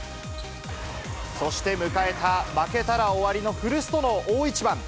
そして迎えた、負けたら終わりの古巣との大一番。